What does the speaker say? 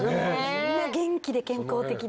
みんな元気で健康的で。